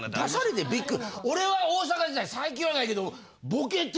俺は大阪時代最近はないけどボケて！